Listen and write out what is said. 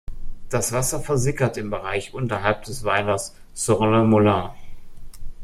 Das Wasser versickert im Bereich unterhalb des Weilers "Sur le Moulin".